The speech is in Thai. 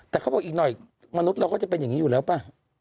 แต่เขาบอกอีกหน่อยมนุษย์เราก็จะเป็นอย่างนี้อยู่แล้วป่ะ